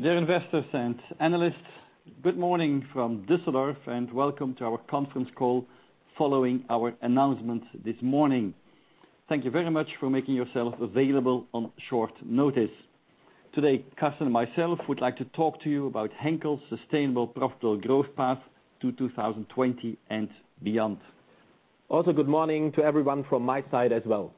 Dear investors and analysts, good morning from Düsseldorf and welcome to our conference call following our announcement this morning. Thank you very much for making yourself available on short notice. Today, Carsten and myself would like to talk to you about Henkel's sustainable profitable growth path to 2020 and beyond. Also, good morning to everyone from my side as well.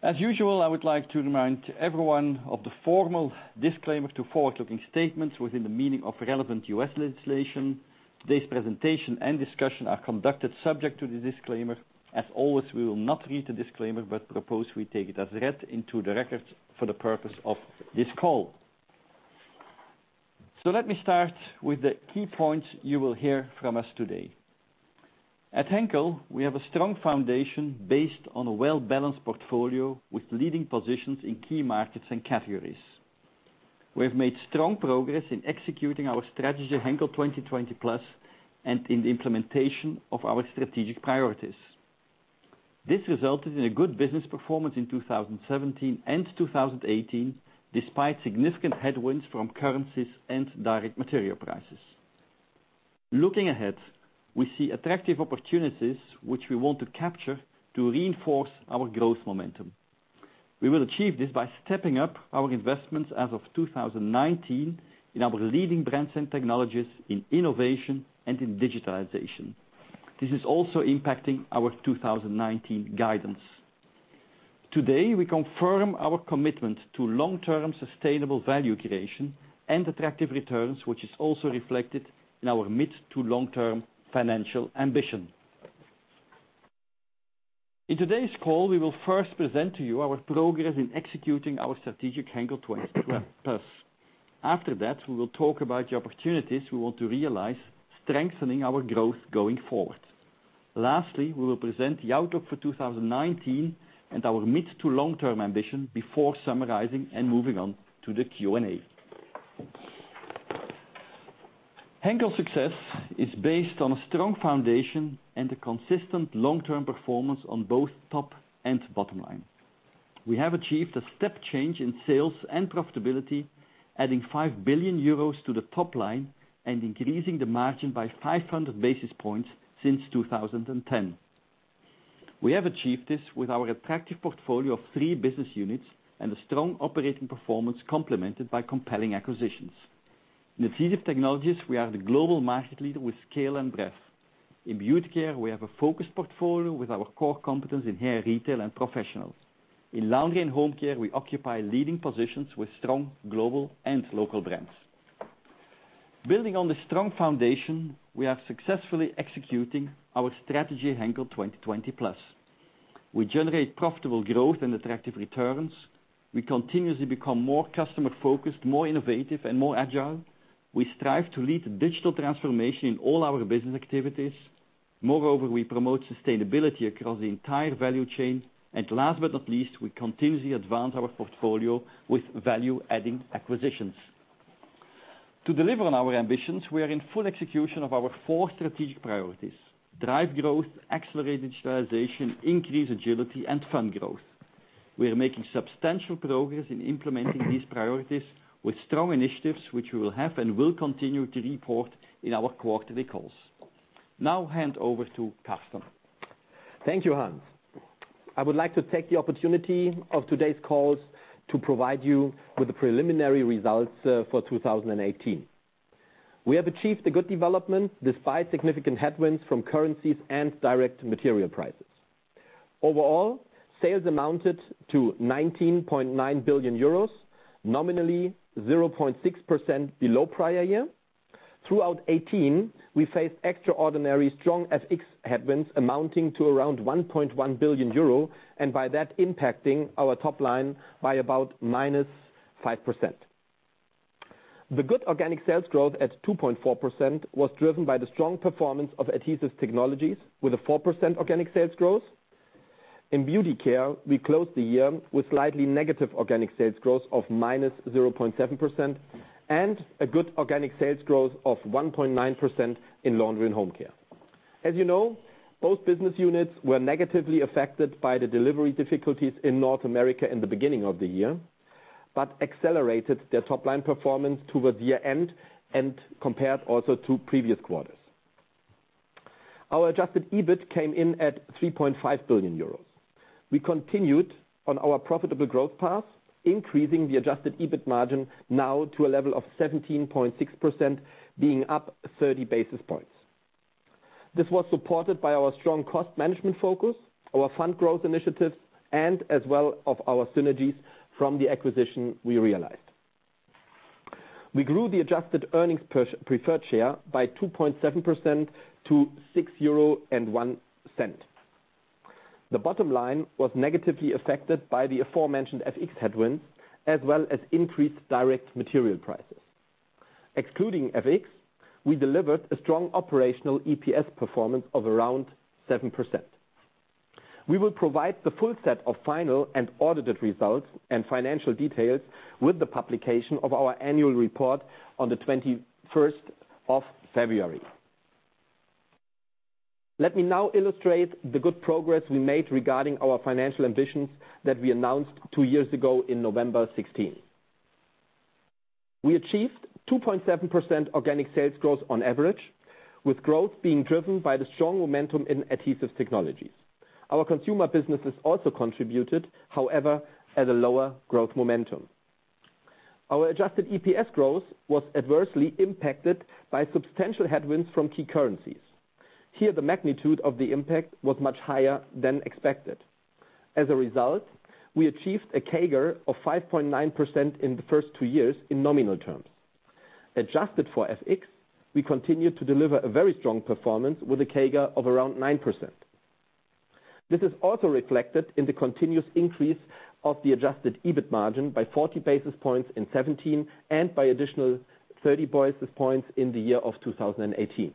As usual, I would like to remind everyone of the formal disclaimer to forward-looking statements within the meaning of relevant U.S. legislation. Today's presentation and discussion are conducted subject to the disclaimer. As always, we will not read the disclaimer but propose we take it as read into the records for the purpose of this call. Let me start with the key points you will hear from us today. At Henkel, we have a strong foundation based on a well-balanced portfolio with leading positions in key markets and categories. We have made strong progress in executing our strategy, Henkel 2020+, and in the implementation of our strategic priorities. This resulted in a good business performance in 2017 and 2018, despite significant headwinds from currencies and direct material prices. Looking ahead, we see attractive opportunities which we want to capture to reinforce our growth momentum. We will achieve this by stepping up our investments as of 2019 in our leading brands and technologies, in innovation and in digitalization. This is also impacting our 2019 guidance. Today, we confirm our commitment to long-term sustainable value creation and attractive returns, which is also reflected in our mid to long-term financial ambition. In today's call, we will first present to you our progress in executing our strategic Henkel 2020+. After that, we will talk about the opportunities we want to realize, strengthening our growth going forward. Lastly, we will present the outlook for 2019 and our mid to long-term ambition before summarizing and moving on to the Q&A. Henkel's success is based on a strong foundation and a consistent long-term performance on both top and bottom line. We have achieved a step change in sales and profitability, adding 5 billion euros to the top line and increasing the margin by 500 basis points since 2010. We have achieved this with our attractive portfolio of three business units and a strong operating performance complemented by compelling acquisitions. In Adhesive Technologies, we are the global market leader with scale and breadth. In Beauty Care, we have a focused portfolio with our core competence in hair retail and professionals. In Laundry & Home Care, we occupy leading positions with strong global and local brands. Building on this strong foundation, we are successfully executing our strategy, Henkel 2020+. We generate profitable growth and attractive returns. We continuously become more customer-focused, more innovative, and more agile. We strive to lead digital transformation in all our business activities. Moreover, we promote sustainability across the entire value chain. Last but not least, we continuously advance our portfolio with value-adding acquisitions. To deliver on our ambitions, we are in full execution of our four strategic priorities: Drive Growth, Accelerate Digitalization, Increase Agility, and Fund Growth. We are making substantial progress in implementing these priorities with strong initiatives which we will have and will continue to report in our quarterly calls. Now hand over to Carsten. Thank you, Hans. I would like to take the opportunity of today's calls to provide you with the preliminary results for 2018. We have achieved a good development despite significant headwinds from currencies and direct material prices. Overall, sales amounted to 19.9 billion euros, nominally 0.6% below prior year. Throughout 2018, we faced extraordinary strong FX headwinds amounting to around 1.1 billion euro, and by that, impacting our top line by about minus 5%. The good organic sales growth at 2.4% was driven by the strong performance of Adhesive Technologies with a 4% organic sales growth. In Beauty Care, we closed the year with slightly negative organic sales growth of minus 0.7%, and a good organic sales growth of 1.9% in Laundry & Home Care. As you know, both business units were negatively affected by the delivery difficulties in North America in the beginning of the year, but accelerated their top-line performance towards the end and compared also to previous quarters. Our adjusted EBIT came in at 3.5 billion euros. We continued on our profitable growth path, increasing the adjusted EBIT margin now to a level of 17.6%, being up 30 basis points. This was supported by our strong cost management focus, our Fund Growth initiatives, and as well of our synergies from the acquisition we realized. We grew the adjusted earnings per preferred share by 2.7% to 6.01 euro. The bottom line was negatively affected by the aforementioned FX headwinds, as well as increased direct material prices. Excluding FX, we delivered a strong operational EPS performance of around 7%. We will provide the full set of final and audited results and financial details with the publication of our annual report on the 21st of February. Let me now illustrate the good progress we made regarding our financial ambitions that we announced two years ago in November 2016. We achieved 2.7% organic sales growth on average, with growth being driven by the strong momentum in Adhesive Technologies. Our consumer businesses also contributed, however, at a lower growth momentum. Our adjusted EPS growth was adversely impacted by substantial headwinds from key currencies. Here, the magnitude of the impact was much higher than expected. As a result, we achieved a CAGR of 5.9% in the first two years in nominal terms. Adjusted for FX, we continued to deliver a very strong performance with a CAGR of around 9%. This is also reflected in the continuous increase of the adjusted EBIT margin by 40 basis points in 2017 and by additional 30 basis points in the year of 2018.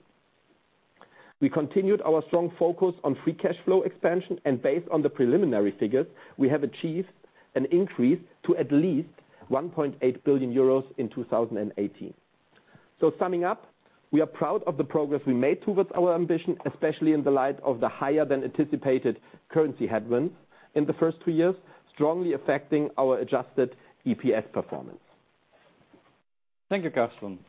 We continued our strong focus on free cash flow expansion, and based on the preliminary figures, we have achieved an increase to at least 1.8 billion euros in 2018. Summing up, we are proud of the progress we made towards our ambition, especially in the light of the higher than anticipated currency headwinds in the first two years, strongly affecting our adjusted EPS performance. Thank you, Carsten.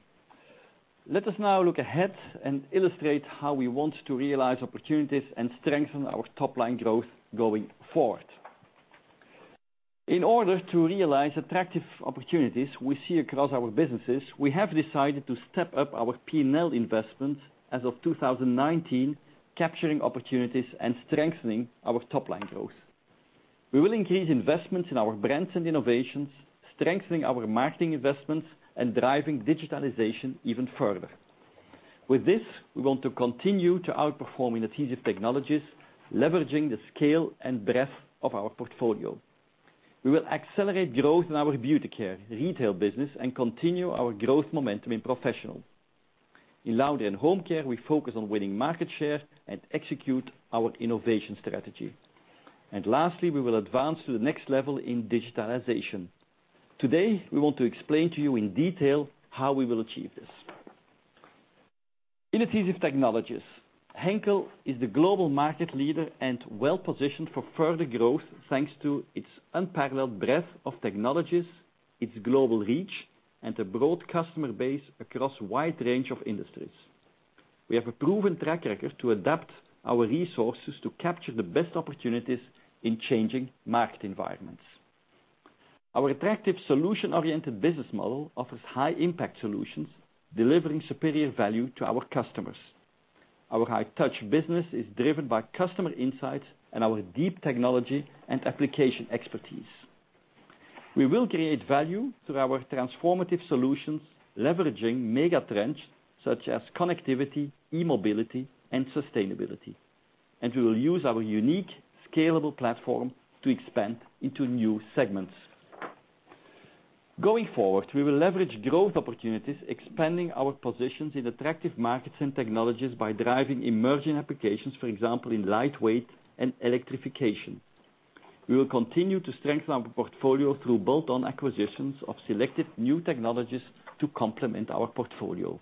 Let us now look ahead and illustrate how we want to realize opportunities and strengthen our top-line growth going forward. In order to realize attractive opportunities we see across our businesses, we have decided to step up our P&L investments as of 2019, capturing opportunities and strengthening our top-line growth. We will increase investments in our brands and innovations, strengthening our marketing investments and driving digitalization even further. With this, we want to continue to outperform in Adhesive Technologies, leveraging the scale and breadth of our portfolio. We will accelerate growth in our Beauty Care retail business and continue our growth momentum in Professional. In Laundry & Home Care, we focus on winning market share and execute our innovation strategy. Lastly, we will advance to the next level in digitalization. Today, we want to explain to you in detail how we will achieve this. In Adhesive Technologies, Henkel is the global market leader and well-positioned for further growth thanks to its unparalleled breadth of technologies, its global reach, and a broad customer base across a wide range of industries. We have a proven track record to adapt our resources to capture the best opportunities in changing market environments. Our attractive solution-oriented business model offers high-impact solutions, delivering superior value to our customers. Our high-touch business is driven by customer insights and our deep technology and application expertise. We will create value through our transformative solutions, leveraging mega trends such as connectivity, e-mobility, and sustainability. We will use our unique scalable platform to expand into new segments. Going forward, we will leverage growth opportunities, expanding our positions in attractive markets and technologies by driving emerging applications, for example, in lightweight and electrification. We will continue to strengthen our portfolio through bolt-on acquisitions of selected new technologies to complement our portfolio.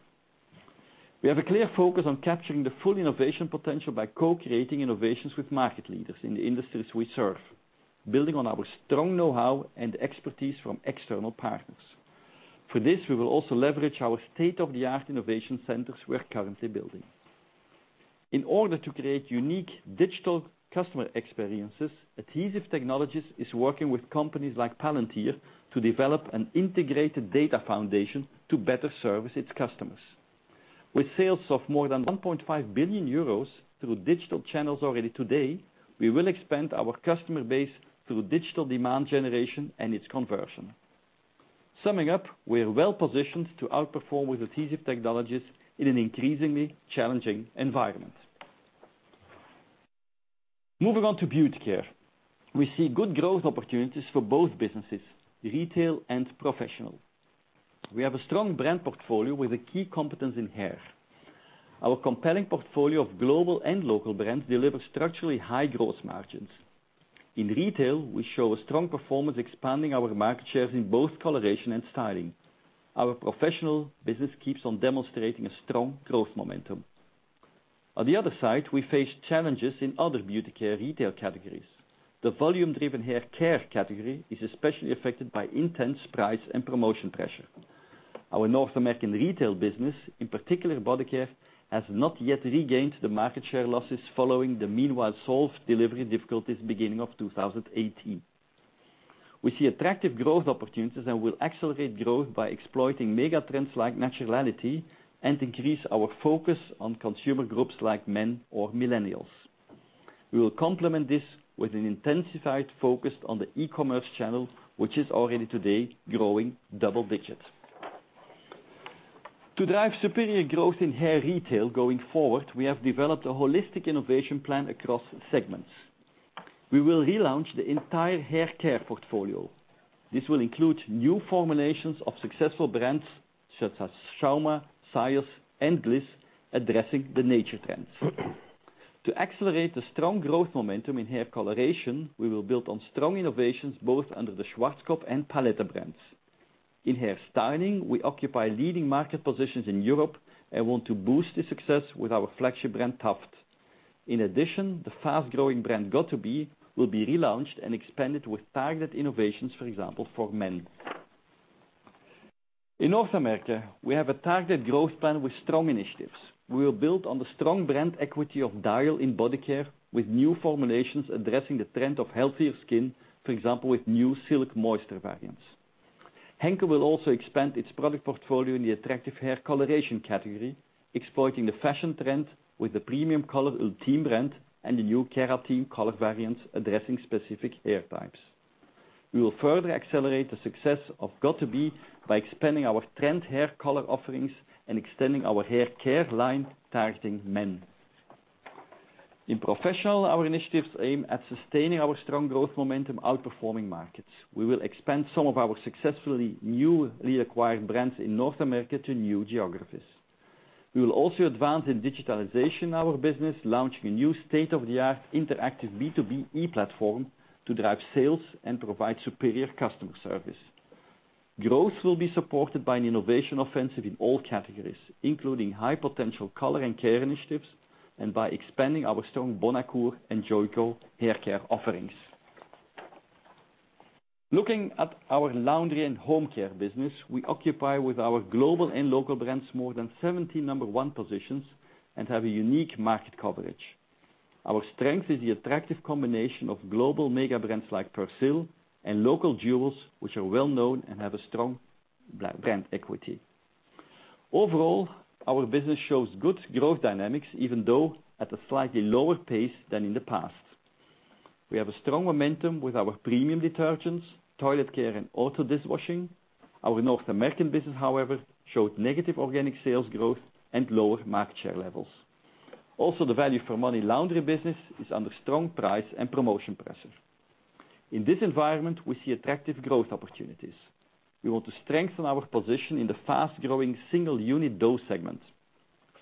We have a clear focus on capturing the full innovation potential by co-creating innovations with market leaders in the industries we serve, building on our strong know-how and expertise from external partners. For this, we will also leverage our state-of-the-art innovation centers we are currently building. In order to create unique digital customer experiences, Adhesive Technologies is working with companies like Palantir to develop an integrated data foundation to better service its customers. With sales of more than 1.5 billion euros through digital channels already today, we will expand our customer base through digital demand generation and its conversion. Summing up, we are well positioned to outperform with Adhesive Technologies in an increasingly challenging environment. Moving on to Beauty Care. We see good growth opportunities for both businesses, retail and professional. We have a strong brand portfolio with a key competence in hair. Our compelling portfolio of global and local brands delivers structurally high gross margins. In retail, we show a strong performance expanding our market shares in both coloration and styling. Our professional business keeps on demonstrating a strong growth momentum. On the other side, we face challenges in other Beauty Care retail categories. The volume-driven hair care category is especially affected by intense price and promotion pressure. Our North American retail business, in particular body care, has not yet regained the market share losses following the meanwhile solved delivery difficulties beginning of 2018. We see attractive growth opportunities and will accelerate growth by exploiting mega trends like naturality and increase our focus on consumer groups like men or millennials. We will complement this with an intensified focus on the e-commerce channel, which is already today growing double digits. To drive superior growth in hair retail going forward, we have developed a holistic innovation plan across segments. We will relaunch the entire hair care portfolio. This will include new formulations of successful brands such as Schauma, Syoss, and Gliss, addressing the nature trends. To accelerate the strong growth momentum in hair coloration, we will build on strong innovations both under the Schwarzkopf and Palette brands. In hair styling, we occupy leading market positions in Europe and want to boost the success with our flagship brand, Taft. In addition, the fast-growing brand got2b will be relaunched and expanded with targeted innovations, for example, for men. In North America, we have a targeted growth plan with strong initiatives. We will build on the strong brand equity of Dial in body care with new formulations addressing the trend of healthier skin. For example, with new Silk Moisture variants. Henkel will also expand its product portfolio in the attractive hair coloration category, exploiting the fashion trend with the premium Color Ultime brand and the new Keratin Color variants addressing specific hair types. We will further accelerate the success of got2b by expanding our trend hair color offerings and extending our hair care line targeting men. In professional, our initiatives aim at sustaining our strong growth momentum outperforming markets. We will expand some of our successfully newly acquired brands in North America to new geographies. We will also advance in digitalization our business, launching a new state-of-the-art interactive B2B e-platform to drive sales and provide superior customer service. Growth will be supported by an innovation offensive in all categories, including high-potential color and care initiatives, and by expanding our strong Bonacure and Joico haircare offerings. Looking at our Laundry & Home Care business, we occupy with our global and local brands more than 70 number 1 positions and have a unique market coverage. Our strength is the attractive combination of global mega brands like Persil and local jewels, which are well-known and have a strong brand equity. Overall, our business shows good growth dynamics, even though at a slightly lower pace than in the past. We have a strong momentum with our premium detergents, toilet care, and auto dishwashing. Our North American business, however, showed negative organic sales growth and lower market share levels. The value for money laundry business is under strong price and promotion pressure. In this environment, we see attractive growth opportunities. We want to strengthen our position in the fast-growing single-unit dose segment.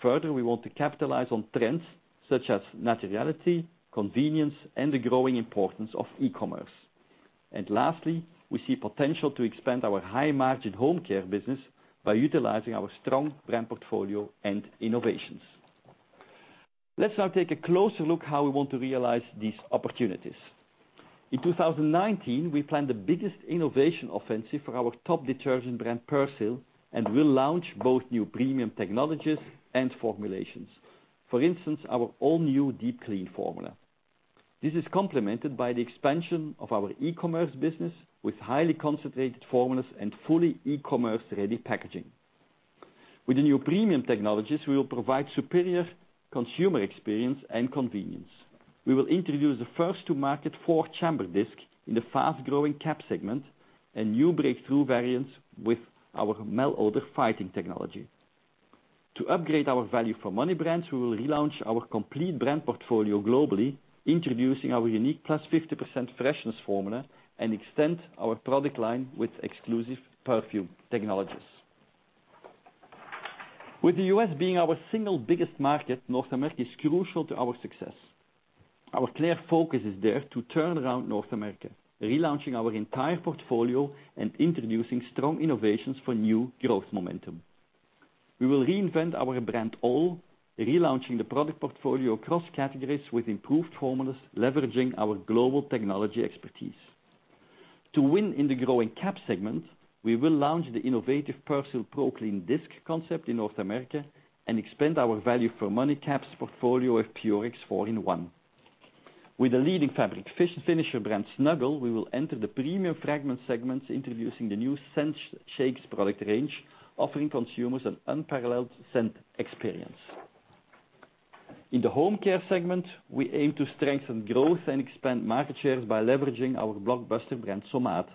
Further, we want to capitalize on trends such as naturality, convenience, and the growing importance of e-commerce. Lastly, we see potential to expand our high-margin home care business by utilizing our strong brand portfolio and innovations. Let's now take a closer look how we want to realize these opportunities. In 2019, we plan the biggest innovation offensive for our top detergent brand, Persil, and will launch both new premium technologies and formulations. For instance, our all-new Deep Clean formula. This is complemented by the expansion of our e-commerce business with highly concentrated formulas and fully e-commerce-ready packaging. With the new premium technologies, we will provide superior consumer experience and convenience. We will introduce the first to market four-chamber disc in the fast-growing caps segment and new breakthrough variants with our malodor fighting technology. To upgrade our value for money brands, we will relaunch our complete brand portfolio globally, introducing our unique plus 50% freshness formula and extend our product line with exclusive perfume technologies. With the U.S. being our single biggest market, North America is crucial to our success. Our clear focus is there to turn around North America, relaunching our entire portfolio and introducing strong innovations for new growth momentum. We will reinvent our brand all, relaunching the product portfolio across categories with improved formulas, leveraging our global technology expertise. To win in the growing caps segment, we will launch the innovative Persil ProClean disc concept in North America and expand our value for money caps portfolio of Purex 4-in-1. With a leading fabric finisher brand, Snuggle, we will enter the premium fragrance segments, introducing the new Scent Shake product range, offering consumers an unparalleled scent experience. In the home care segment, we aim to strengthen growth and expand market shares by leveraging our blockbuster brand, Somat,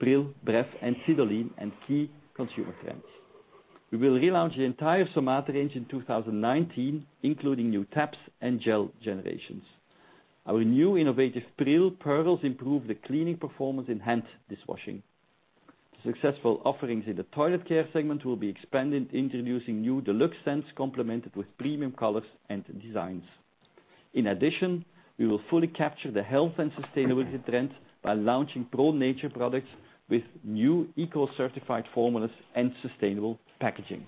Pril, Bref, and Sidolin, and key consumer trends. We will relaunch the entire Somat range in 2019, including new tabs and gel generations. Our new innovative Pril pearls improve the cleaning performance in hand dishwashing. The successful offerings in the toilet care segment will be expanded, introducing new DeLuxe scents complemented with premium colors and designs. In addition, we will fully capture the health and sustainability trend by launching Pro Nature products with new eco-certified formulas and sustainable packaging.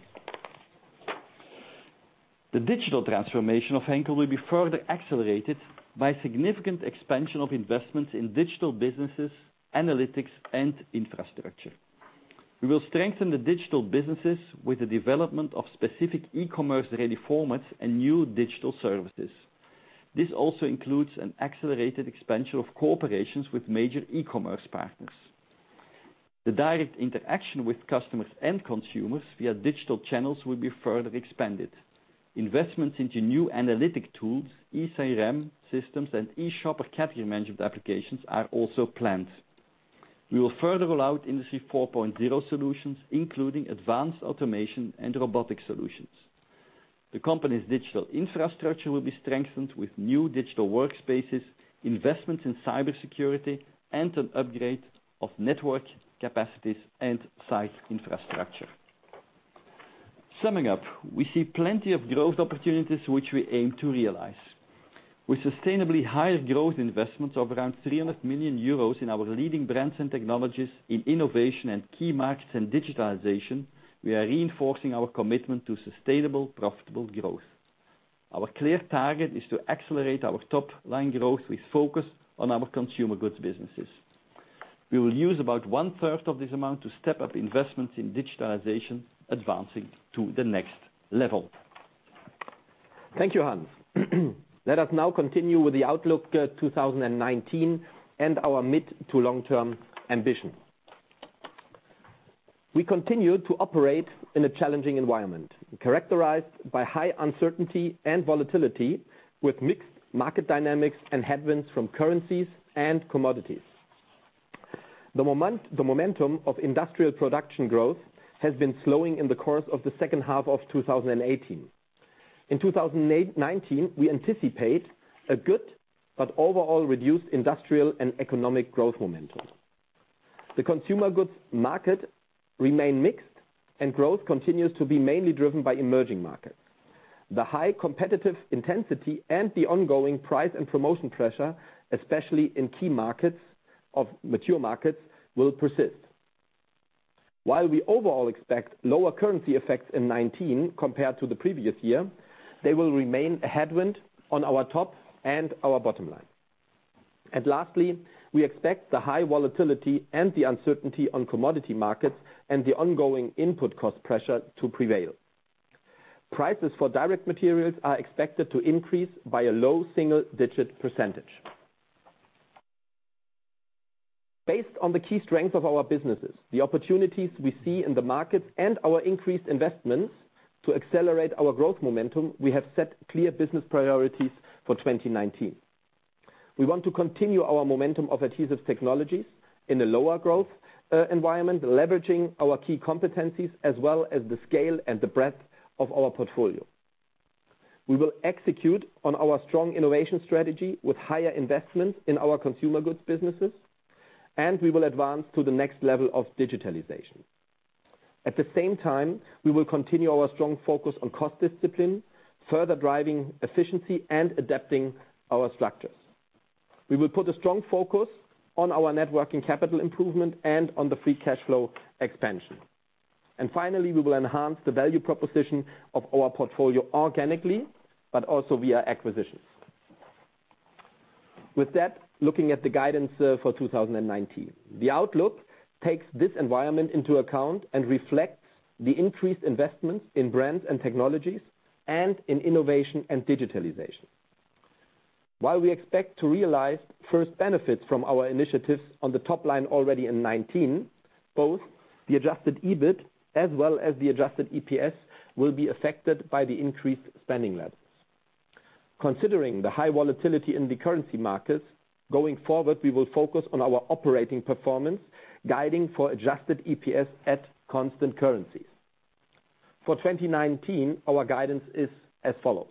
The digital transformation of Henkel will be further accelerated by significant expansion of investments in digital businesses, analytics, and infrastructure. We will strengthen the digital businesses with the development of specific e-commerce-ready formats and new digital services. This also includes an accelerated expansion of cooperations with major e-commerce partners. The direct interaction with customers and consumers via digital channels will be further expanded. Investments into new analytic tools, eCRM systems, and e-shopper category management applications are also planned. We will further roll out Industry 4.0 solutions, including advanced automation and robotic solutions. The company's digital infrastructure will be strengthened with new digital workspaces, investments in cybersecurity, and an upgrade of network capacities and site infrastructure. Summing up, we see plenty of growth opportunities which we aim to realize. With sustainably higher growth investments of around 300 million euros in our leading brands and technologies in innovation and key markets and digitalization, we are reinforcing our commitment to sustainable profitable growth. Our clear target is to accelerate our top-line growth with focus on our consumer goods businesses. We will use about one third of this amount to step up investments in digitalization, advancing to the next level. Thank you, Hans. Let us now continue with the outlook 2019 and our mid to long-term ambition. We continue to operate in a challenging environment characterized by high uncertainty and volatility with mixed market dynamics and headwinds from currencies and commodities. The momentum of industrial production growth has been slowing in the course of the second half of 2018. In 2019, we anticipate a good but overall reduced industrial and economic growth momentum. The consumer goods market remain mixed and growth continues to be mainly driven by emerging markets. The high competitive intensity and the ongoing price and promotion pressure, especially in key markets of mature markets, will persist. While we overall expect lower currency effects in 2019 compared to the previous year, they will remain a headwind on our top and our bottom line. Lastly, we expect the high volatility and the uncertainty on commodity markets and the ongoing input cost pressure to prevail. Prices for direct materials are expected to increase by a low single-digit percentage. Based on the key strengths of our businesses, the opportunities we see in the markets, and our increased investments to accelerate our growth momentum, we have set clear business priorities for 2019. We want to continue our momentum of Adhesive Technologies in a lower growth environment, leveraging our key competencies as well as the scale and the breadth of our portfolio. We will execute on our strong innovation strategy with higher investments in our consumer goods businesses. We will advance to the next level of digitalization. At the same time, we will continue our strong focus on cost discipline, further driving efficiency and adapting our structures. We will put a strong focus on our net working capital improvement and on the free cash flow expansion. Finally, we will enhance the value proposition of our portfolio organically, but also via acquisitions. With that, looking at the guidance for 2019. The outlook takes this environment into account and reflects the increased investments in brands and technologies and in innovation and digitalization. While we expect to realize first benefits from our initiatives on the top line already in 2019, both the adjusted EBIT as well as the adjusted EPS will be affected by the increased spending levels. Considering the high volatility in the currency markets, going forward we will focus on our operating performance, guiding for adjusted EPS at constant currencies. For 2019, our guidance is as follows.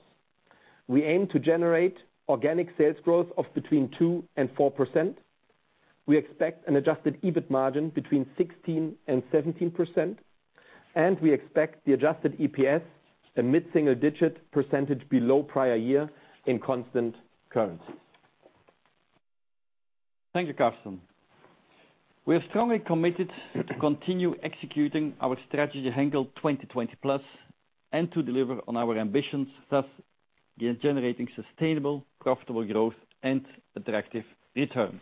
We aim to generate organic sales growth of between 2%-4%. We expect an adjusted EBIT margin between 16% and 17%. We expect the adjusted EPS a mid-single digit % below prior year in constant currencies. Thank you, Carsten. We are strongly committed to continue executing our strategy, Henkel 2020+, and to deliver on our ambitions, thus generating sustainable, profitable growth and attractive returns.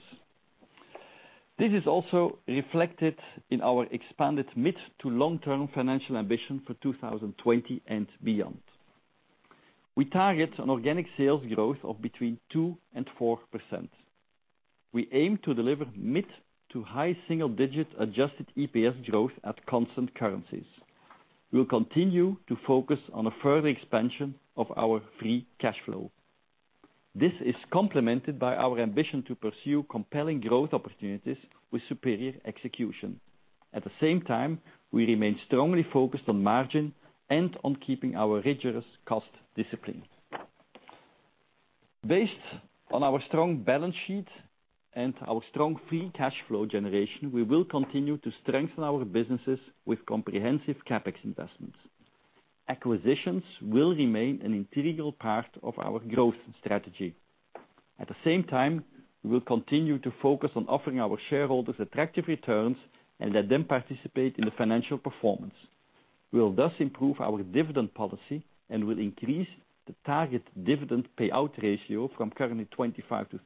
This is also reflected in our expanded mid to long-term financial ambition for 2020 and beyond. We target an organic sales growth of between 2% and 4%. We aim to deliver mid to high single-digit adjusted EPS growth at constant currencies. We'll continue to focus on a further expansion of our free cash flow. This is complemented by our ambition to pursue compelling growth opportunities with superior execution. At the same time, we remain strongly focused on margin and on keeping our rigorous cost discipline. Based on our strong balance sheet and our strong free cash flow generation, we will continue to strengthen our businesses with comprehensive CapEx investments. Acquisitions will remain an integral part of our growth strategy. At the same time, we will continue to focus on offering our shareholders attractive returns and let them participate in the financial performance. We'll thus improve our dividend policy and will increase the target dividend payout ratio from currently 25%-35%,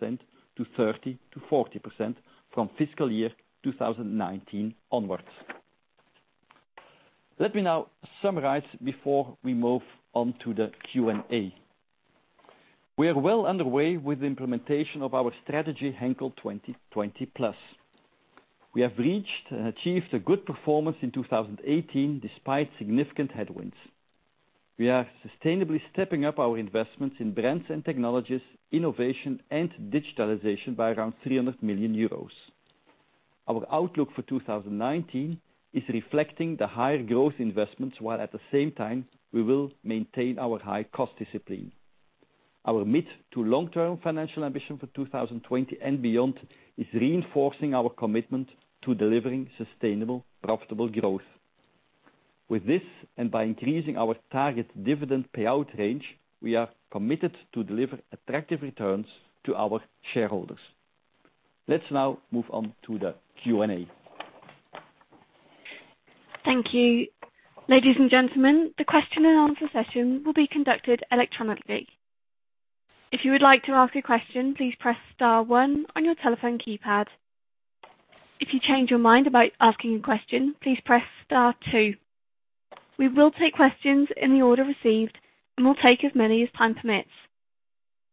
to 30%-40% from fiscal year 2019 onwards. Let me now summarize before we move on to the Q&A. We are well underway with the implementation of our strategy, Henkel 2020+. We have reached and achieved a good performance in 2018 despite significant headwinds. We are sustainably stepping up our investments in brands and technologies, innovation and digitalization by around 300 million euros. Our outlook for 2019 is reflecting the higher growth investments, while at the same time, we will maintain our high cost discipline. Our mid-to long-term financial ambition for 2020 and beyond is reinforcing our commitment to delivering sustainable, profitable growth. With this, by increasing our target dividend payout range, we are committed to deliver attractive returns to our shareholders. Let's now move on to the Q&A. Thank you. Ladies and gentlemen, the question and answer session will be conducted electronically. If you would like to ask a question, please press star one on your telephone keypad. If you change your mind about asking a question, please press star two. We will take questions in the order received and will take as many as time permits.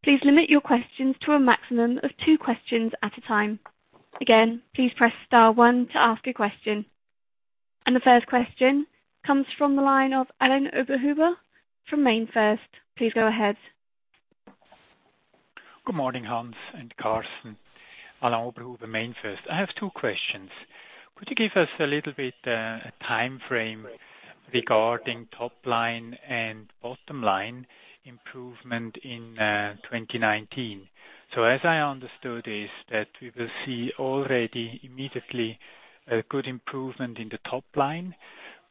Please limit your questions to a maximum of two questions at a time. Again, please press star one to ask a question. The first question comes from the line of Alain Oberhuber from MainFirst. Please go ahead. Good morning, Hans and Carsten. Alain Oberhuber, MainFirst. I have two questions. Could you give us a little bit a timeframe regarding top line and bottom line improvement in 2019? As I understood is that we will see already immediately a good improvement in the top line,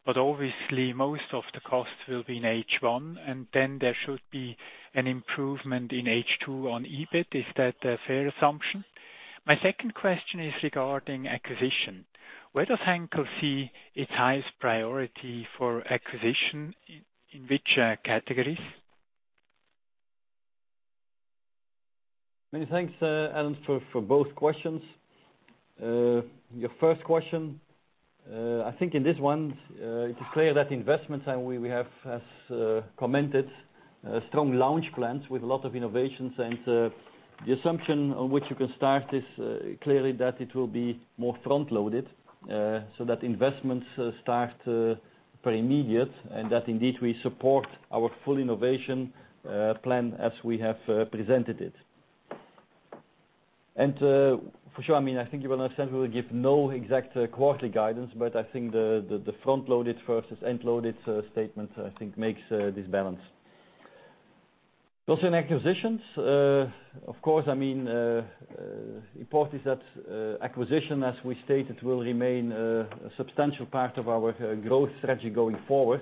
but obviously most of the costs will be in H1 and then there should be an improvement in H2 on EBIT. Is that a fair assumption? My second question is regarding acquisition. Where does Henkel see its highest priority for acquisition, in which categories? Many thanks, Alain, for both questions. Your first question, I think in this one it is clear that investments, and we have, as commented, strong launch plans with a lot of innovations and the assumption on which you can start is clearly that it will be more front-loaded, so that investments start very immediate and that indeed we support our full innovation plan as we have presented it. For sure, I think you will understand we will give no exact quarterly guidance, but I think the front-loaded versus end-loaded statement, I think makes this balance. Also in acquisitions, of course, important is that acquisition, as we stated, will remain a substantial part of our growth strategy going forward.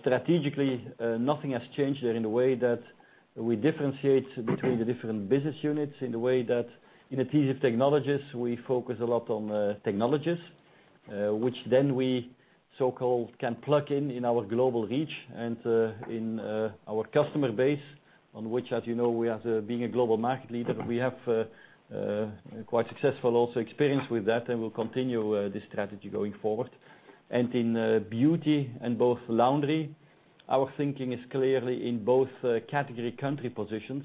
Strategically, nothing has changed there in the way that we differentiate between the different business units, in the way that in Adhesive Technologies, we focus a lot on technologies, which then we so-called can plug in our global reach and in our customer base, on which, as you know, we as being a global market leader, we have quite successful also experience with that and we'll continue this strategy going forward. In Beauty and both Laundry, our thinking is clearly in both category country positions,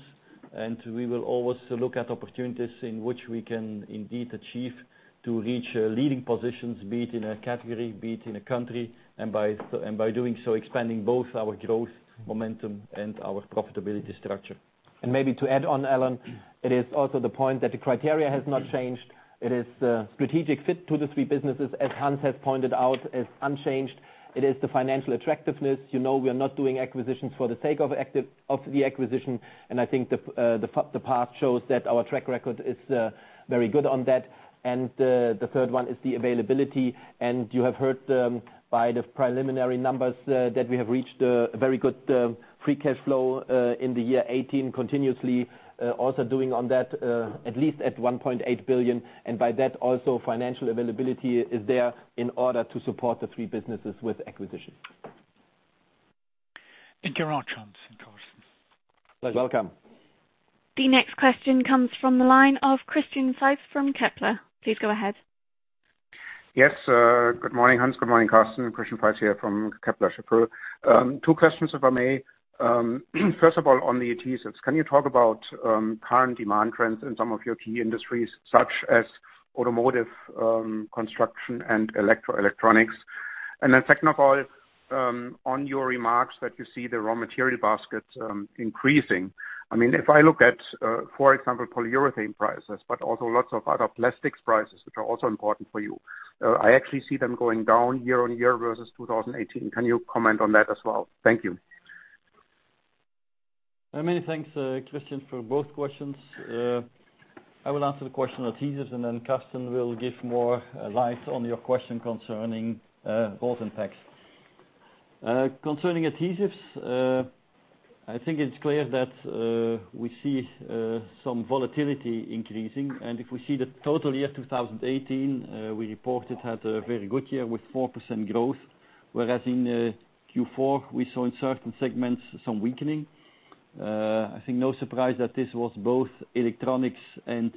and we will always look at opportunities in which we can indeed achieve to reach leading positions, be it in a category, be it in a country, and by doing so, expanding both our growth momentum and our profitability structure. Maybe to add on, Alain, it is also the point that the criteria has not changed. It is strategic fit to the three businesses, as Hans has pointed out, is unchanged. It is the financial attractiveness. You know we are not doing acquisitions for the sake of the acquisition, and I think the path shows that our track record is very good on that. The third one is the availability. You have heard by the preliminary numbers that we have reached a very good free cash flow in the year 2018, continuously also doing on that at least at 1.8 billion, and by that also financial availability is there in order to support the three businesses with acquisition. Thank you very much, Hans and Carsten. Pleasure. Welcome. The next question comes from the line of Christian Faitz from Kepler. Please go ahead. Yes, good morning, Hans. Good morning, Carsten. Christian Faitz here from Kepler Cheuvreux. Two questions, if I may. First of all, on the adhesives, can you talk about current demand trends in some of your key industries, such as automotive, construction, and electronics? Then second of all, on your remarks that you see the raw material baskets increasing. If I look at, for example, polyurethane prices, but also lots of other plastics prices, which are also important for you, I actually see them going down year-on-year versus 2018. Can you comment on that as well? Thank you. Many thanks, Christian, for both questions. I will answer the question adhesives and then Carsten will give more light on your question concerning both impacts. Concerning adhesives, I think it's clear that we see some volatility increasing, and if we see the total year 2018, we reported had a very good year with 4% growth, whereas in Q4, we saw in certain segments some weakening. I think no surprise that this was both electronics and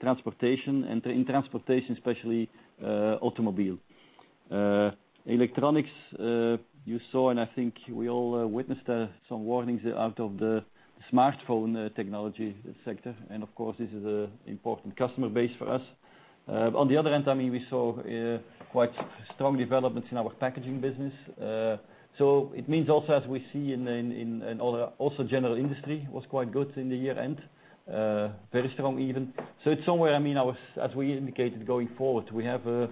transportation. In transportation, especially automobile. Electronics, you saw and I think we all witnessed some warnings out of the smartphone technology sector. Of course, this is an important customer base for us. On the other end, we saw quite strong developments in our packaging business. It means also as we see in also general industry was quite good in the year-end. Very strong even. It's somewhere, as we indicated going forward, we have a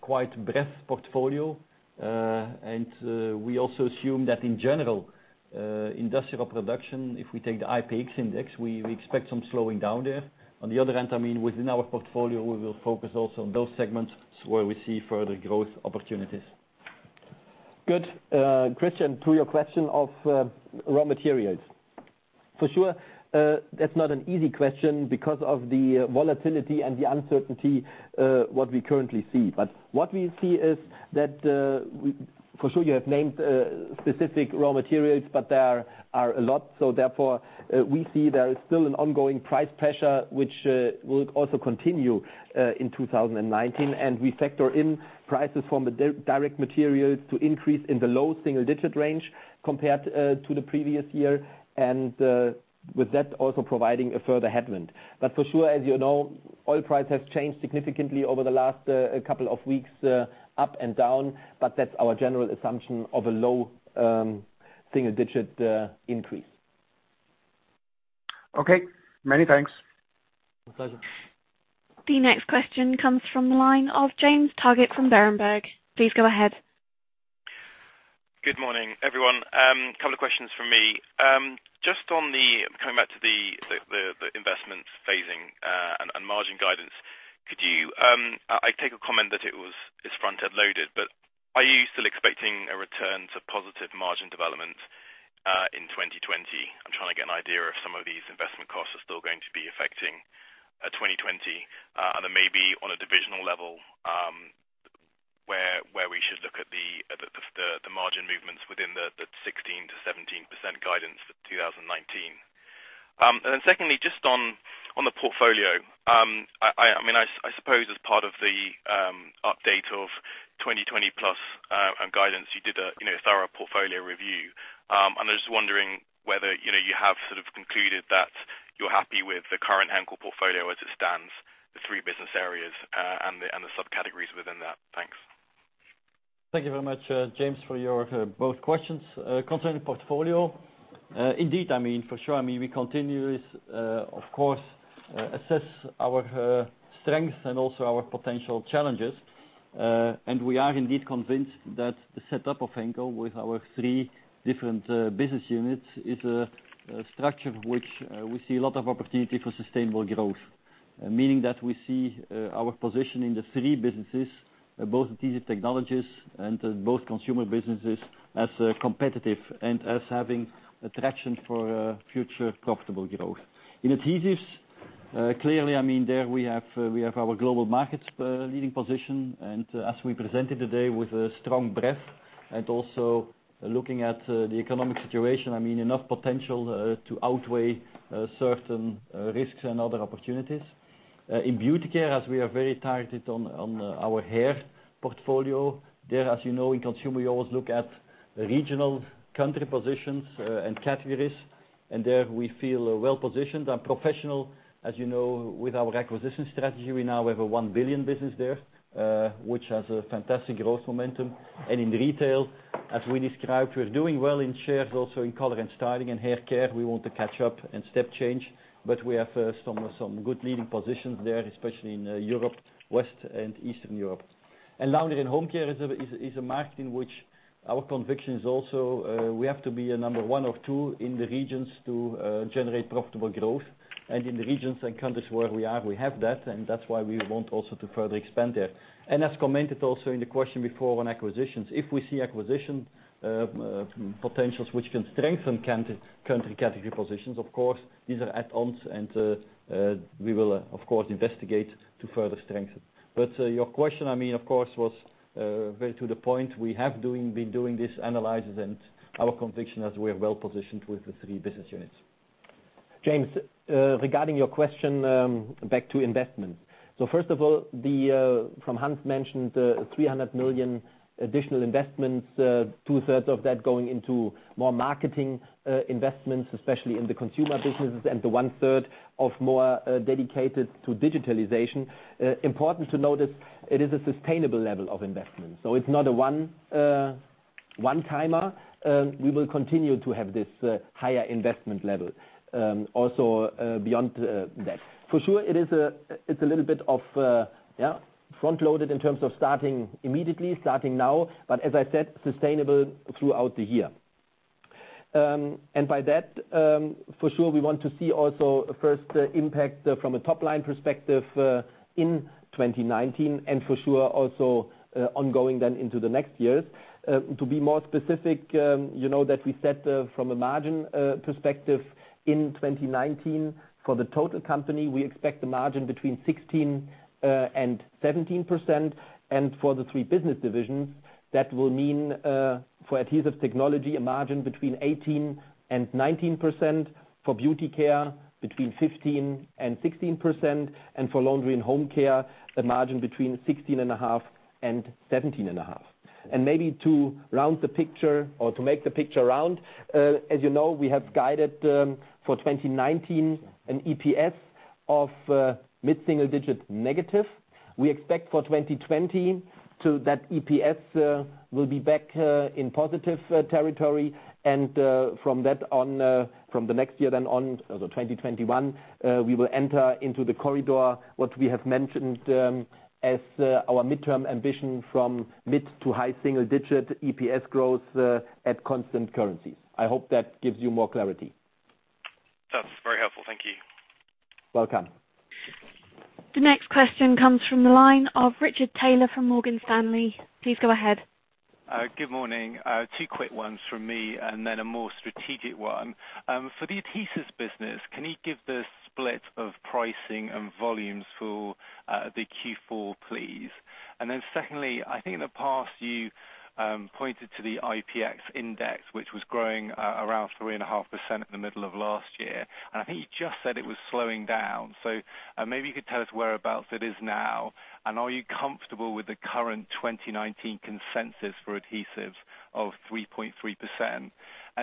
quite breadth portfolio. We also assume that in general, industrial production, if we take the IPX index, we expect some slowing down there. On the other hand, within our portfolio, we will focus also on those segments where we see further growth opportunities. Good. Christian, to your question of raw materials. For sure that's not an easy question because of the volatility and the uncertainty what we currently see. What we see is that, for sure you have named specific raw materials, but there are a lot. Therefore we see there is still an ongoing price pressure, which will also continue in 2019. We factor in prices from the direct materials to increase in the low single-digit range compared to the previous year. With that, also providing a further headwind. For sure, as you know, oil price has changed significantly over the last couple of weeks up and down, but that's our general assumption of a low single-digit increase. Okay. Many thanks. My pleasure. The next question comes from the line of James Targett from Berenberg. Please go ahead. Good morning, everyone. Couple of questions from me. Coming back to the investment phasing and margin guidance. I take a comment that it is front-end loaded, but are you still expecting a return to positive margin development in 2020? I am trying to get an idea if some of these investment costs are still going to be affecting 2020. Maybe on a divisional level, where we should look at the margin movements within the 16%-17% guidance for 2019. Secondly, just on the portfolio. I suppose as part of the update of 2020 Plus and guidance, you did a thorough portfolio review. I am just wondering whether you have sort of concluded that you are happy with the current Henkel portfolio as it stands, the three business areas and the subcategories within that. Thanks. Thank you very much James for both questions. Concerning portfolio. Indeed, for sure, we continuously of course assess our strengths and also our potential challenges. We are indeed convinced that the setup of Henkel with our three different business units is a structure which we see a lot of opportunity for sustainable growth. Meaning that we see our position in the three businesses, both Adhesive Technologies and both consumer businesses, as competitive and as having attraction for future profitable growth. In adhesives, clearly, there we have our global markets leading position, and as we presented today with a strong breadth and also looking at the economic situation, enough potential to outweigh certain risks and other opportunities. In Beauty Care, as we are very targeted on our hair portfolio. There, as you know, in consumer, we always look at regional country positions and categories, and there we feel well positioned and Professional. As you know, with our acquisition strategy, we now have a 1 billion business there, which has a fantastic growth momentum. In retail, as we described, we are doing well in shares also in color and styling and hair care. We want to catch up and step change. We have some good leading positions there, especially in Europe, East and Western Europe. Laundry & Home Care is a market in which our conviction is also we have to be a number 1 or 2 in the regions to generate profitable growth. In the regions and countries where we are, we have that. That is why we want also to further expand there. As commented also in the question before on acquisitions, if we see acquisition potentials which can strengthen country category positions, of course these are add-ons and we will of course investigate to further strengthen. Your question of course was very to the point. We have been doing these analyses and our conviction is we are well positioned with the three business units. James, regarding your question back to investments. First of all, Hans mentioned 300 million additional investments, two-thirds of that going into more marketing investments, especially in the consumer businesses and one-third more dedicated to digitalization. Important to notice it is a sustainable level of investment, so it is not a one-timer. We will continue to have this higher investment level also beyond that. For sure it is a little bit of front loaded in terms of starting immediately, starting now, but as I said, sustainable throughout the year. By that, for sure we want to see also a first impact from a top-line perspective in 2019 and for sure also ongoing then into the next years. To be more specific, you know that we said from a margin perspective in 2019 for the total company, we expect the margin between 16%-17%. For the three business divisions, that will mean for Adhesive Technologies, a margin between 18%-19%, for Beauty Care between 15%-16%, and for Laundry & Home Care, a margin between 16.5%-17.5%. Maybe to round the picture or to make the picture round, as you know we have guided for 2019 an EPS of mid-single digit negative. We expect for 2020 to that EPS will be back in positive territory and from the next year then on, so 2021, we will enter into the corridor, what we have mentioned as our midterm ambition from mid- to high-single digit EPS growth at constant currencies. I hope that gives you more clarity. That's very helpful. Thank you. Welcome. The next question comes from the line of Richard Taylor from Morgan Stanley. Please go ahead. Good morning. Two quick ones from me and then a more strategic one. For the adhesives business, can you give the split of pricing and volumes for the Q4, please? Secondly, I think in the past you pointed to the IPX index, which was growing around 3.5% at the middle of last year. I think you just said it was slowing down. Maybe you could tell us whereabouts it is now, and are you comfortable with the current 2019 consensus for adhesives of 3.3%?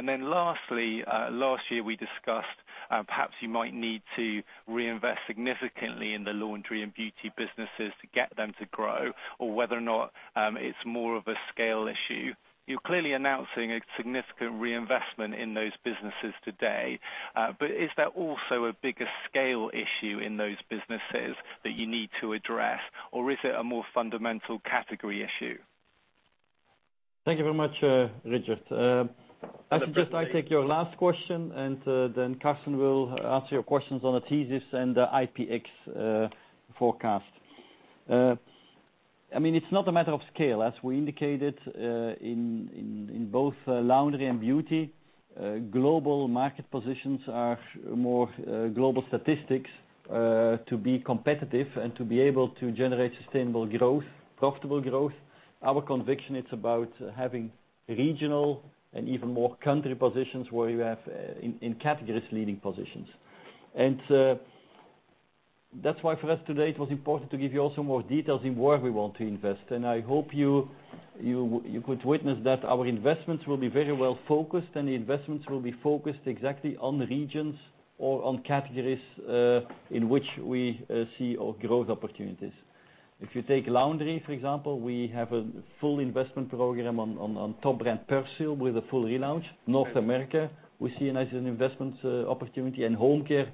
Lastly, last year we discussed perhaps you might need to reinvest significantly in the laundry and beauty businesses to get them to grow or whether or not it's more of a scale issue. You're clearly announcing a significant reinvestment in those businesses today. Is there also a bigger scale issue in those businesses that you need to address, or is it a more fundamental category issue? Thank you very much, Richard. I suggest I take your last question. Then Carsten will answer your questions on adhesives and IPX forecast. It's not a matter of scale. As we indicated in both laundry and beauty, global market positions are more global statistics to be competitive and to be able to generate sustainable growth, profitable growth. Our conviction, it's about having regional and even more country positions where you have in categories leading positions. That's why for us today, it was important to give you also more details in where we want to invest. I hope you could witness that our investments will be very well focused. The investments will be focused exactly on regions or on categories, in which we see growth opportunities. If you take laundry, for example, we have a full investment program on top brand Persil with a full relaunch. North America, we see as an investment opportunity and home care,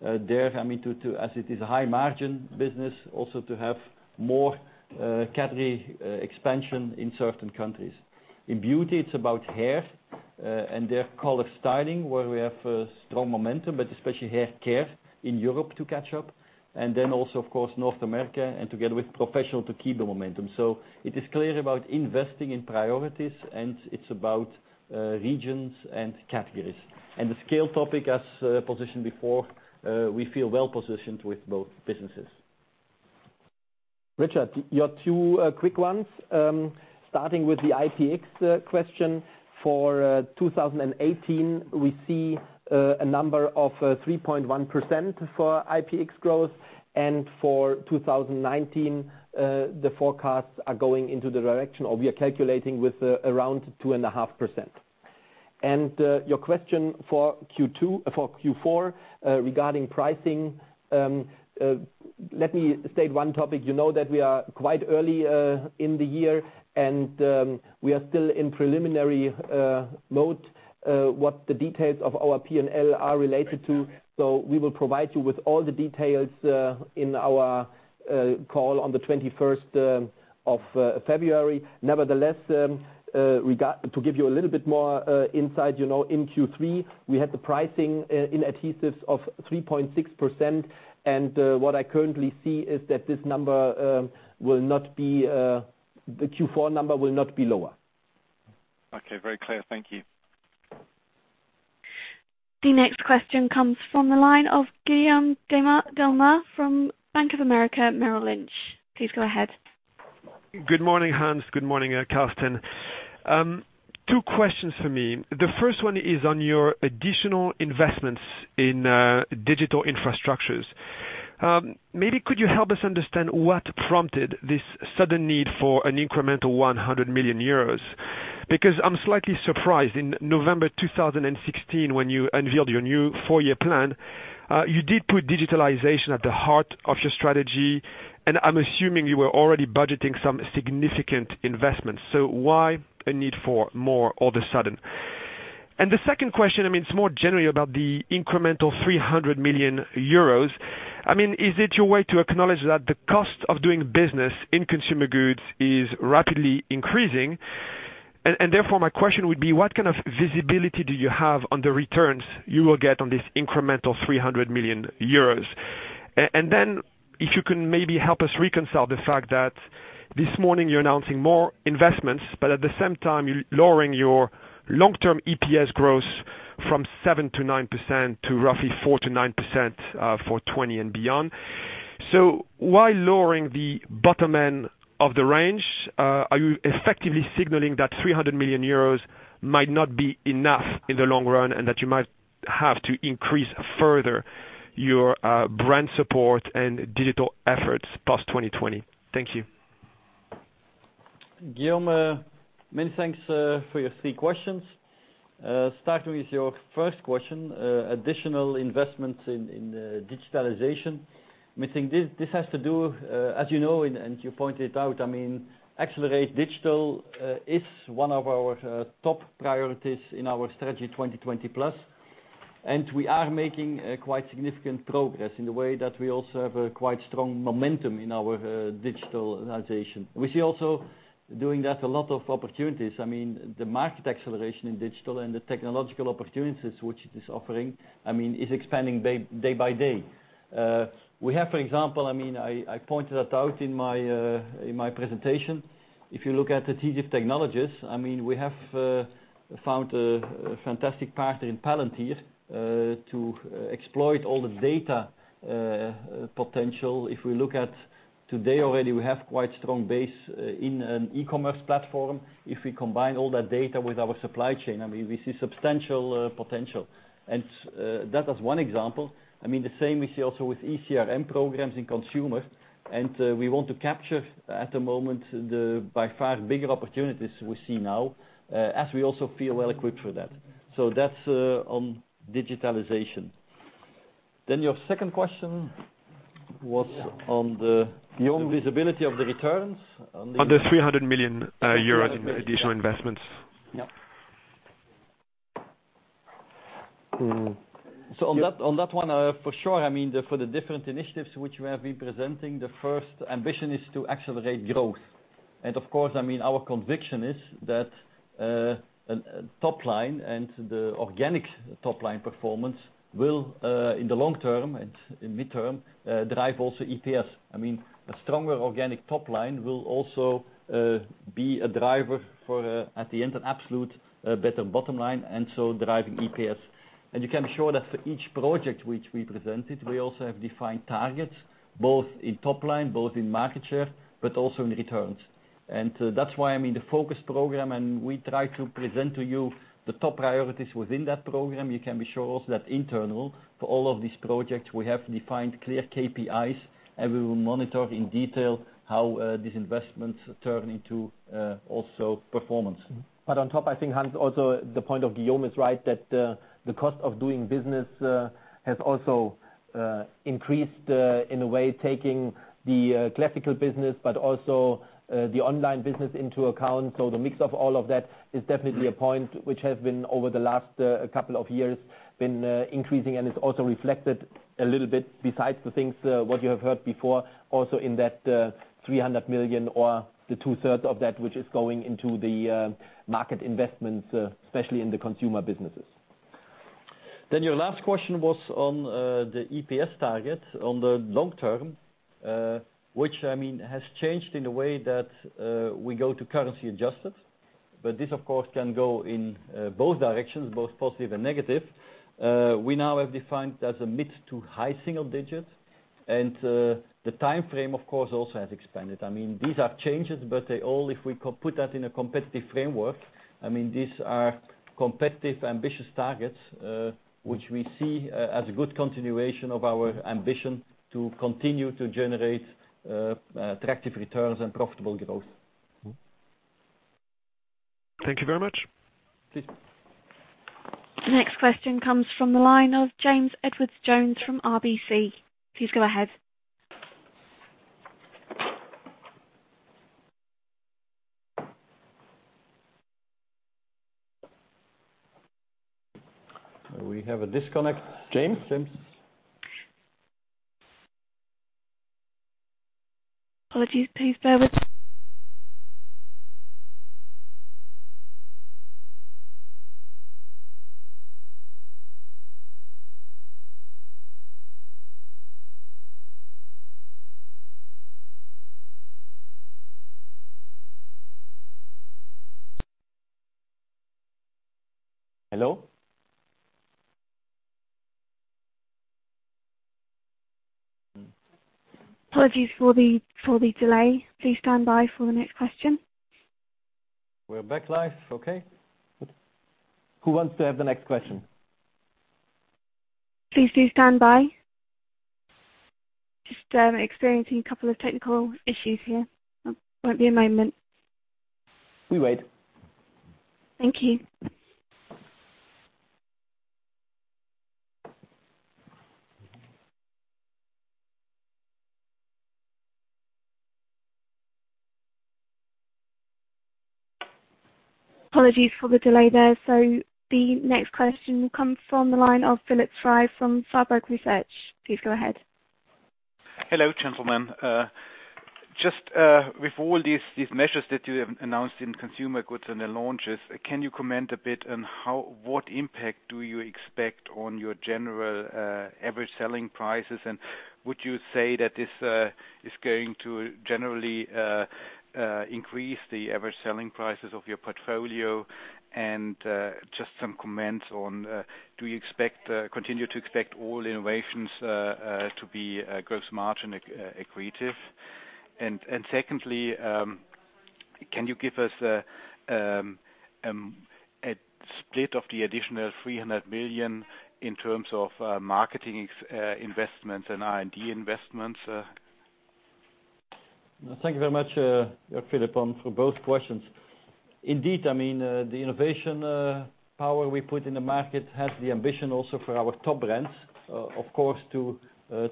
there, as it is a high margin business also to have more category expansion in certain countries. In beauty, it's about hair, and there color styling, where we have strong momentum, but especially hair care in Europe to catch up. Then also, of course, North America and together with professional to keep the momentum. It is clear about investing in priorities. It's about regions and categories. The scale topic as positioned before, we feel well positioned with both businesses. Richard, your two quick ones. Starting with the IPX question, for 2018, we see a number of 3.1% for IPX growth. For 2019, the forecasts are going into the direction, or we are calculating with around 2.5%. Your question for Q4 regarding pricing, let me state one topic. You know that we are quite early in the year, and we are still in preliminary mode what the details of our P&L are related to. We will provide you with all the details in our call on the 21st of February. Nevertheless, to give you a little bit more insight, in Q3 we had the pricing in adhesives of 3.6%. What I currently see is that the Q4 number will not be lower. Okay. Very clear. Thank you. The next question comes from the line of Guillaume Delmas from Bank of America Merrill Lynch. Please go ahead. Good morning, Hans. Good morning, Carsten. Two questions for me. The first one is on your additional investments in digital infrastructures. Maybe could you help us understand what prompted this sudden need for an incremental 100 million euros? I'm slightly surprised. In November 2016, when you unveiled your new four-year plan, you did put digitalization at the heart of your strategy, and I'm assuming you were already budgeting some significant investments. Why a need for more all of a sudden? The second question, it's more generally about the incremental 300 million euros. Is it your way to acknowledge that the cost of doing business in consumer goods is rapidly increasing? Therefore my question would be, what kind of visibility do you have on the returns you will get on this incremental 300 million euros? If you can maybe help us reconcile the fact that this morning you're announcing more investments, but at the same time, you're lowering your long-term EPS growth from 7%-9% to roughly 4%-9%, for 2020 and beyond. Why lowering the bottom end of the range? Are you effectively signaling that 300 million euros might not be enough in the long run, and that you might have to increase further your brand support and digital efforts past 2020? Thank you. Guillaume, many thanks for your three questions. Starting with your first question, additional investments in digitalization. This has to do, as you know, and you pointed out, accelerate digital is one of our top priorities in our Strategy 2020 Plus, and we are making quite significant progress in the way that we also have a quite strong momentum in our digitalization. We see also doing that a lot of opportunities. The market acceleration in digital and the technological opportunities which it is offering, is expanding day by day. We have, for example, I pointed that out in my presentation, if you look at the digital technologies, we have found a fantastic partner in Palantir to exploit all the data potential. If we look at today already, we have quite strong base in an e-commerce platform. If we combine all that data with our supply chain, we see substantial potential. That is one example. The same we see also with eCRM programs in consumer, we want to capture at the moment, by far bigger opportunities we see now, as we also feel well-equipped for that. That's on digitalization. Your second question was on the visibility of the returns? On the 300 million euros in additional investments. On that one, for sure, for the different initiatives which we have been presenting, the first ambition is to accelerate growth. Of course, our conviction is that top-line and the organic top-line performance will, in the long term and in mid-term, drive also EPS. A stronger organic top-line will also be a driver for, at the end, an absolute better bottom line, driving EPS. You can be sure that for each project which we presented, we also have defined targets, both in top-line, both in market share, but also in returns. That's why, the Focus Program, we try to present to you the top priorities within that program. You can be sure also that internal for all of these projects, we have defined clear KPIs, we will monitor in detail how these investments turn into also performance. On top, I think, Hans, also the point of Guillaume is right, that the cost of doing business has also increased, in a way taking the classical business but also the online business into account. The mix of all of that is definitely a point which has been over the last couple of years been increasing and is also reflected a little bit besides the things what you have heard before, also in that 300 million or the two-thirds of that which is going into the market investments, especially in the consumer businesses. Your last question was on the EPS target on the long term, which has changed in the way that we go to currency adjusted. This, of course, can go in both directions, both positive and negative. We now have defined as a mid to high single digit. The timeframe, of course, also has expanded. These are changes, but they all, if we put that in a competitive framework, these are competitive, ambitious targets, which we see as a good continuation of our ambition to continue to generate attractive returns and profitable growth. Thank you very much. Please. The next question comes from the line of James Edwardes Jones from RBC. Please go ahead. We have a disconnect. James? Apologies. Please bear with Hello? Apologies for the delay. Please stand by for the next question. We're back live. Okay. Good. Who wants to have the next question? Please do stand by. Just experiencing a couple of technical issues here. Won't be a moment. We wait. Thank you. Apologies for the delay there. The next question comes from the line of Philipp Frey from Warburg Research. Please go ahead. Hello, gentlemen. With all these measures that you have announced in consumer goods and the launches, can you comment a bit on what impact do you expect on your general average selling prices? Would you say that this is going to generally increase the average selling prices of your portfolio? Just some comments on, do you continue to expect all innovations to be gross margin accretive? Secondly, can you give us a split of the additional 300 million in terms of marketing investments and R&D investments. Thank you very much, Philipp, for both questions. Indeed, the innovation power we put in the market has the ambition also for our top brands, of course, to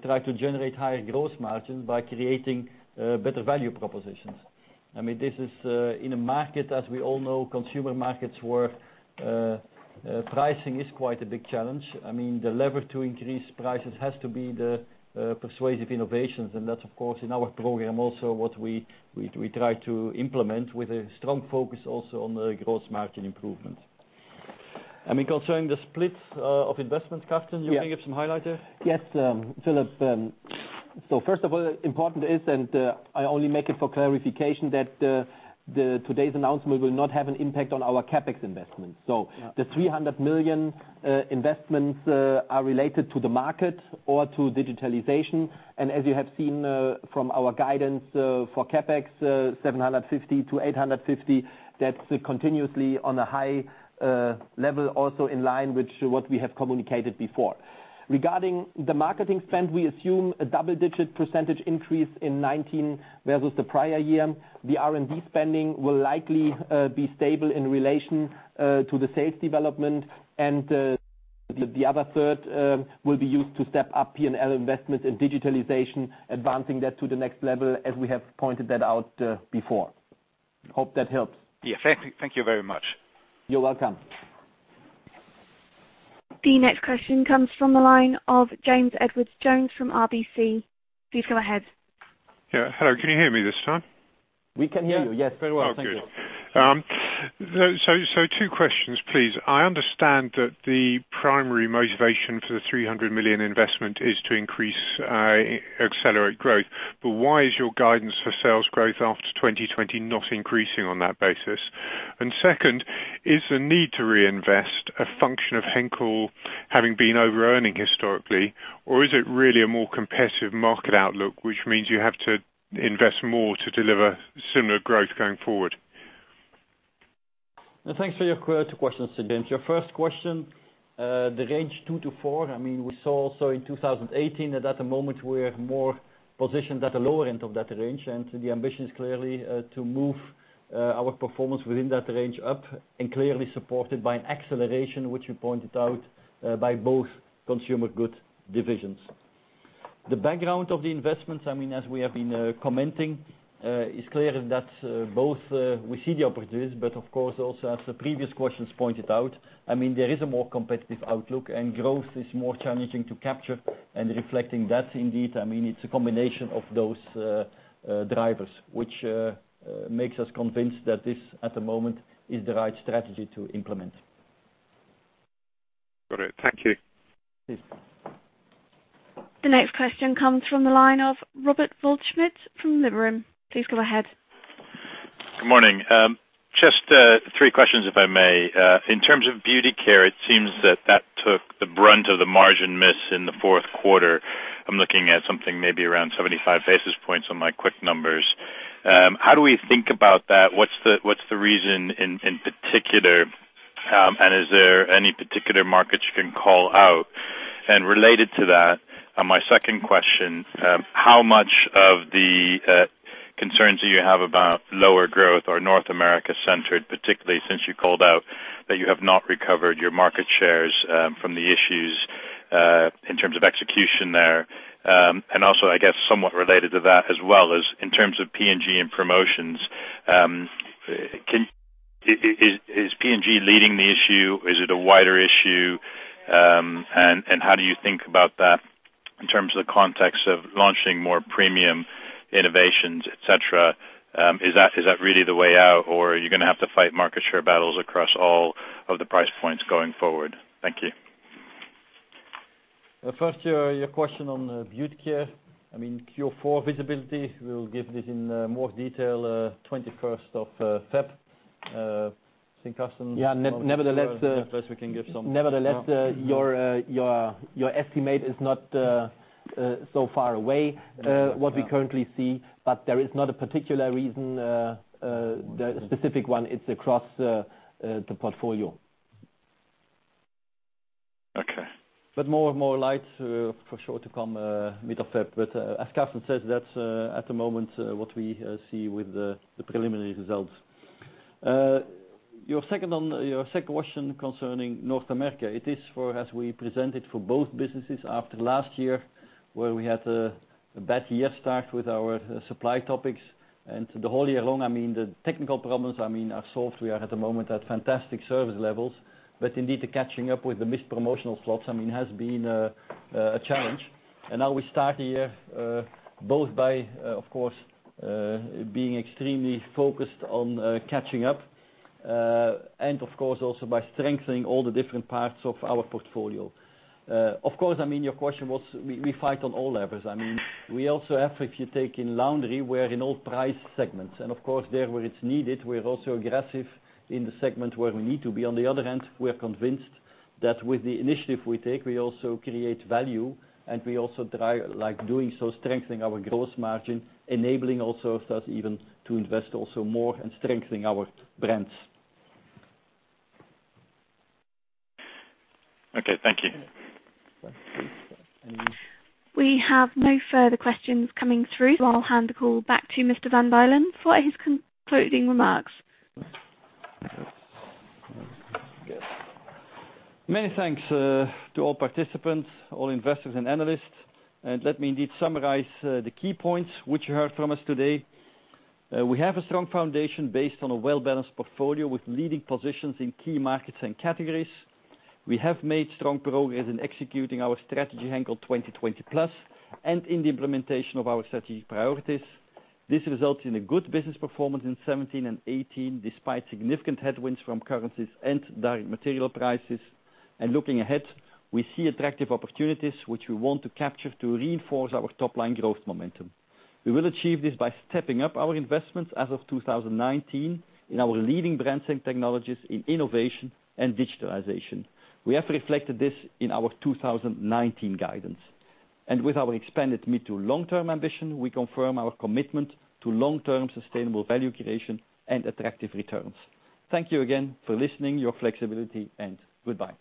try to generate higher gross margins by creating better value propositions. This is in a market, as we all know, consumer markets, where pricing is quite a big challenge. The lever to increase prices has to be the persuasive innovations, and that's, of course, in our program also what we try to implement with a strong focus also on the gross margin improvement. Concerning the split of investments, Carsten, you may give some highlight there? Yes, Philipp. First of all, important is, and I only make it for clarification, that today's announcement will not have an impact on our CapEx investments. The 300 million investments are related to the market or to digitalization. As you have seen from our guidance for CapEx, 750-850, that's continuously on a high level, also in line with what we have communicated before. Regarding the marketing spend, we assume a double-digit % increase in 2019 versus the prior year. The R&D spending will likely be stable in relation to the sales development. The other third will be used to step up P&L investment in digitalization, advancing that to the next level, as we have pointed that out before. Hope that helps. Thank you very much. You're welcome. The next question comes from the line of James Edwardes Jones from RBC. Please go ahead. Yeah. Hello, can you hear me this time? We can hear you, yes. Yeah. Very well, thank you. Oh, good. Two questions, please. I understand that the primary motivation for the 300 million investment is to increase accelerate growth. Why is your guidance for sales growth after 2020 not increasing on that basis? Second, is the need to reinvest a function of Henkel having been over-earning historically, or is it really a more competitive market outlook, which means you have to invest more to deliver similar growth going forward? Thanks for your two questions, James. Your first question, the range two to four, we saw also in 2018 that at the moment we're more positioned at the lower end of that range. The ambition is clearly to move our performance within that range up and clearly supported by an acceleration, which you pointed out, by both consumer goods divisions. The background of the investments, as we have been commenting, is clear that both we see the opportunities, but of course, also as the previous questions pointed out, there is a more competitive outlook, and growth is more challenging to capture. Reflecting that, indeed, it's a combination of those drivers, which makes us convinced that this, at the moment, is the right strategy to implement. Got it. Thank you. The next question comes from the line of Robert Waldschmidt from Liberum. Please go ahead. Good morning. Just three questions, if I may. In terms of Beauty Care, it seems that that took the brunt of the margin miss in the fourth quarter. I'm looking at something maybe around 75 basis points on my quick numbers. How do we think about that? What's the reason in particular? Is there any particular markets you can call out? Related to that, my second question, how much of the concerns that you have about lower growth are North America centered, particularly since you called out that you have not recovered your market shares from the issues in terms of execution there. Also, I guess, somewhat related to that as well is in terms of P&G and promotions, is P&G leading the issue? Is it a wider issue? How do you think about that in terms of the context of launching more premium innovations, et cetera? Is that really the way out, or are you going to have to fight market share battles across all of the price points going forward? Thank you. First, your question on Beauty Care. Q4 visibility, we'll give this in more detail 21st of February. I think Carsten. Yeah. Nevertheless. First we can give some. Nevertheless, your estimate is not so far away- Yeah what we currently see. There is not a particular reason, the specific one, it's across the portfolio. Okay. More light for sure to come mid-February. As Carsten says, that's at the moment what we see with the preliminary results. Your second question concerning North America, as we presented for both businesses after last year, where we had a bad year start with our supply topics. The whole year long, the technical problems are solved. We are at the moment at fantastic service levels. Indeed, the catching up with the missed promotional slots has been a challenge. Now we start the year both by, of course, being extremely focused on catching up. Of course, also by strengthening all the different parts of our portfolio. Of course, your question was, we fight on all levers. We also have, if you take in laundry, we are in all price segments. Of course, there where it's needed, we are also aggressive in the segment where we need to be. On the other hand, we are convinced that with the initiative we take, we also create value, and we also try, like doing so, strengthening our growth margin, enabling also us even to invest also more and strengthening our brands. Okay. Thank you. Yeah. We have no further questions coming through. I will hand the call back to Mr. Van Bylen for his concluding remarks. Many thanks to all participants, all investors and analysts. Let me indeed summarize the key points which you heard from us today. We have a strong foundation based on a well-balanced portfolio with leading positions in key markets and categories. We have made strong progress in executing our strategy, Henkel 2020+, and in the implementation of our strategic priorities. This results in a good business performance in 2017 and 2018, despite significant headwinds from currencies and direct material prices. Looking ahead, we see attractive opportunities which we want to capture to reinforce our top-line growth momentum. We will achieve this by stepping up our investments as of 2019 in our leading brands and technologies in innovation and digitalization. We have reflected this in our 2019 guidance. With our expanded mid to long-term ambition, we confirm our commitment to long-term sustainable value creation and attractive returns. Thank you again for listening, your flexibility, and goodbye.